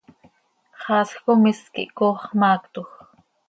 Xaasj com is quih coox maactoj.